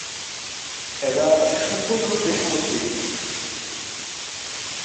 এরা সম্পূর্ণরূপে সামুদ্রিক।